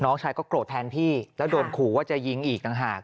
น้องชายก็โกรธแทนพี่แล้วโดนขู่ว่าจะยิงอีกต่างหาก